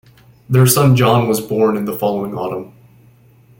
Their son John was born in the following autumn.